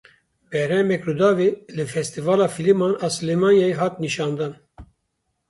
Berhmeke Rûdawê li Festîvala Fîlman a Silêmaniyê hat nîşandan.